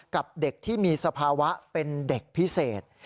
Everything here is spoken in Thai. กับเด็กที่มีสภาวะเป็นเด็กพิเศษ